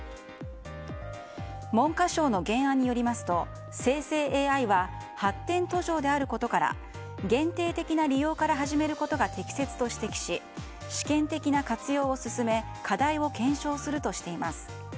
文科省の原案によりますと生成ＡＩは発展途上であることから限定的な利用から始めることが適切だと指摘し試験的な活用を進め課題を検証するとしています。